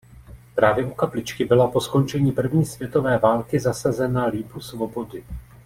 Právě u kapličky byla po skončení první světové války zasazena Lípu Svobody.